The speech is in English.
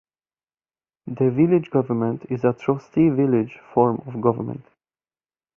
The village government is a Trustee-Village form of government.